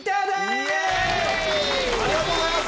ありがとうございます。